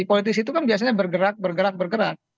politisi itu kan biasanya bergerak bergerak